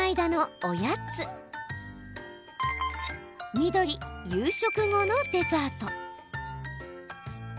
緑夕食後のデザート。